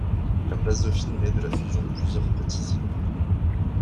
La place Dauphine naît de la fusion de plusieurs petits îlots.